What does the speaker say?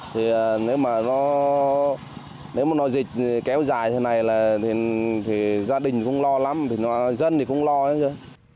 thì nếu mà nó dịch kéo dài thế này thì gia đình cũng lo lắm dân thì cũng lo lắm chứ